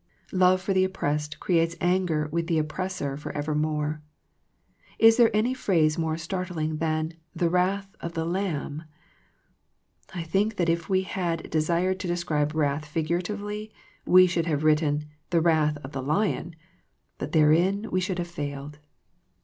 Love for the oppressed creates anger with the oppressor for evermore. Is there any phrase more startling than " the wrath of the Lamb'''' f I think that if we had desired to de scribe wrath figuratively we should have written, the wrath of the " lion," but therein we should have failed.